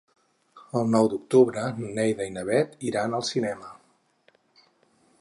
El nou d'octubre na Neida i na Bet iran al cinema.